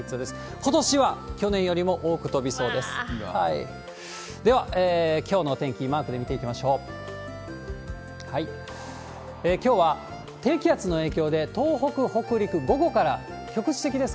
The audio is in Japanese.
ことしは去年よりも多く飛びそうです。